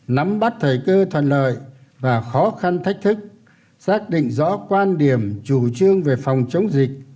nắm bắt thời cơ thuận lợi và khó khăn thách thức xác định rõ quan điểm chủ trương về phòng chống dịch